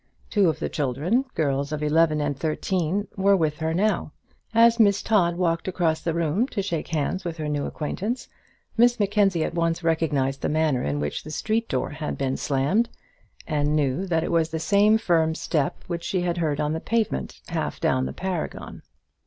Two of the children, girls of eleven and thirteen, were with her now. As Miss Todd walked across the room to shake hands with her new acquaintance, Miss Mackenzie at once recognised the manner in which the street door had been slammed, and knew that it was the same firm step which she had heard on the pavement half down the Paragon.